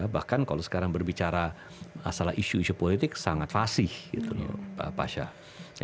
bahkan kalau sekarang berbicara asal isu isu politik sangat fasih pasha